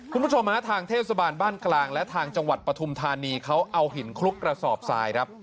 คุณผู้ชมฮะทางเทศบาลบ้านกลางและทางจังหวัดปฐุมธานีเขาเอาหินคลุกกระสอบทรายครับ